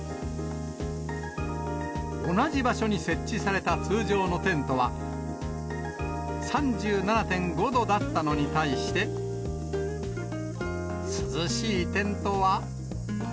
同じ場所に設置された通常のテントは、３７．５度だったのに対して、涼しいテントは。